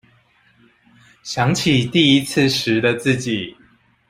想起第一次時的自己